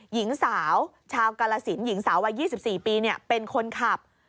หญิงสาวชาวกาลสินหญิงสาววัย๒๔ปีเป็นคนขับ